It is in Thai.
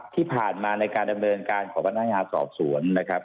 ที่ผ่านมาในการดำเนินการของพนักงานสอบสวนนะครับ